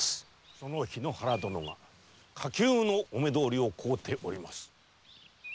その日野原殿が火急のお目通りを請うております。